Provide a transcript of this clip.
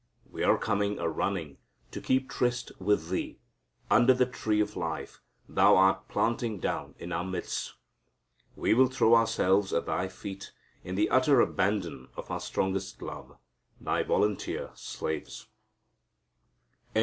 We are coming a running to keep tryst with Thee under the tree of life thou art planting down in our midst. We will throw ourselves at Thy feet in the utter abandon of our strongest love, Thy volunteer slaves. III.